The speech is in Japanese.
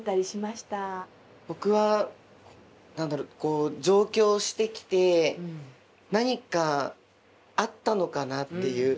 僕は何だろう上京してきて何かあったのかなっていう。